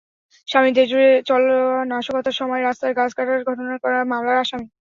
শামীম দেশজুড়ে চলা নাশকতার সময় রাস্তার গাছ কাটার ঘটনায় করা মামলার আসামি।